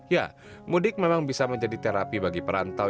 ya mudik memang bisa menjadi terapi bagi perantau